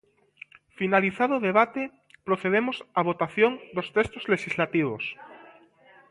Finalizado o debate, procedemos á votación dos textos lexislativos.